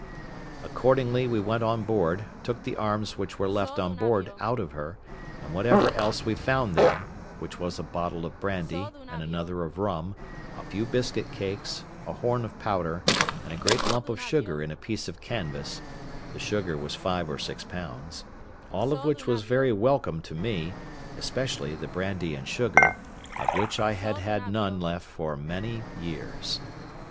Accordingly, we went on board, took the arms which were left on board out of her, and whatever else we found there—which was a bottle of brandy, and another of rum, a few biscuit cakes, a horn of powder, and a great lump of sugar in a piece of canvas (the sugar was five or six pounds): all which was very welcome to me, especially the brandy and sugar, of which I had had none left for many years.